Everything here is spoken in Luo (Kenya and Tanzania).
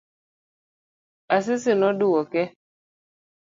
Asisi noduoke.